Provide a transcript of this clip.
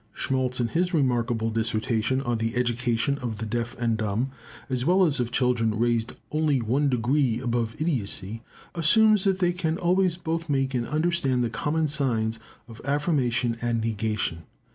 Schmalz, in his remarkable dissertation on the education of the deaf and dumb, as well as of children raised only one degree above idiotcy, assumes that they can always both make and understand the common signs of affirmation and negation.